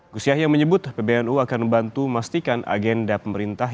gus yahya menyebut pbnu akan membantu memastikan agenda pemerintah